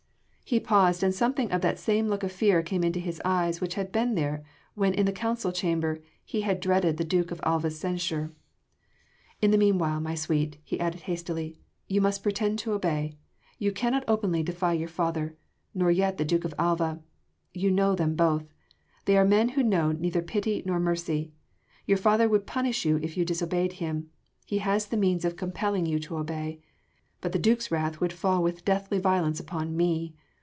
He paused and something of that same look of fear came into his eyes which had been there when in the Council Chamber he had dreaded the Duke of Alva’a censure. "In the meanwhile, my sweet," he added hastily, "you must pretend to obey. You cannot openly defy your father! ... nor yet the Duke of Alva. You know them both! They are men who know neither pity nor mercy! Your father would punish you if you disobeyed him ... he has the means of compelling you to obey. But the Duke’s wrath would fall with deathly violence upon me.